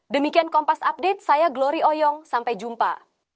demikian kompas update saya glori oyong sampai jumpa